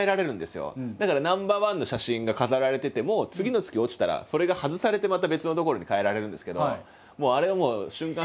だからナンバーワンの写真が飾られてても次の月落ちたらそれが外されてまた別の所に替えられるんですけど。